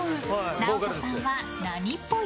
ＮＡＯＴＯさんは何っぽい？